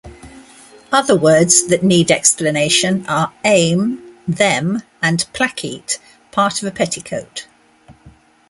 Other words that need explanation are "ame" 'them' and "plack-keet", 'part of a petticoat'.